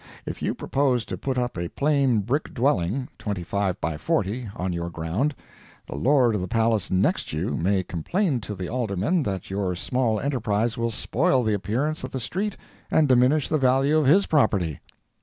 If you propose to put up a plain brick dwelling, 25 by 40, on your ground, the lord of the palace next you may complain to the Aldermen that your small enterprise will spoil the appearance of the street and diminsh the value of his property.